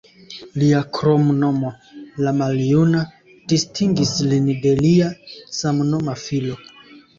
Lia kromnomo "la maljuna" distingis lin de lia samnoma filo.